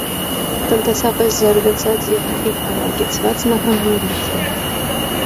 Տնտեսապես զարգացած և խիտ բնակեցված նահանգներից է։